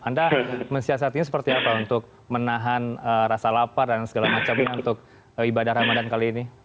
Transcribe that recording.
anda mensiasatinya seperti apa untuk menahan rasa lapar dan segala macamnya untuk ibadah ramadan kali ini